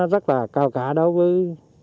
rất là cao cả đối với